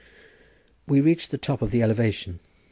We reached the top of the elevation.